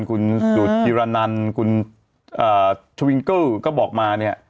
คุณสุดดิรานันคุณชวิงเกิ้ลก็บอกมา